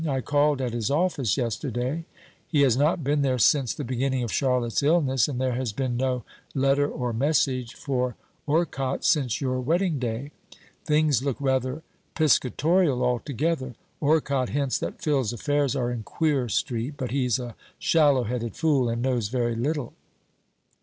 I called at his office yesterday. He has not been there since the beginning of Charlotte's illness, and there has been no letter or message for Orcott since your wedding day. Things look rather piscatorial, altogether. Orcott hints that Phil's affairs are in queer street; but he's a shallow headed fool, and knows very little.